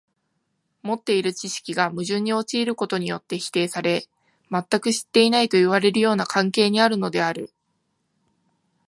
持っている知識が矛盾に陥ることによって否定され、全く知っていないといわれるような関係にあるのである。